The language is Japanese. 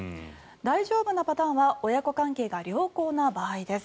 大丈夫なパターンは親子関係が良好な場合です。